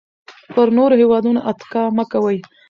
پر نورو هېوادونو اتکا مه کوئ.